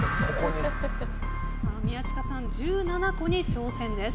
宮近さん、１７個に挑戦です。